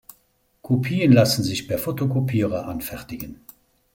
Kopien lassen sich per Fotokopierer anfertigen.